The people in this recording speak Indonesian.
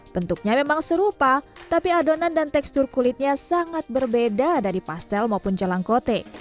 bentuknya memang serupa tapi adonan dan tekstur kulitnya sangat berbeda dari pastel maupun jalang kote